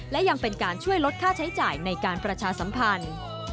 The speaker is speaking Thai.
และยังเป็นการช่วยลดค่าใช้จ่ายในการประชาสัมพันธ์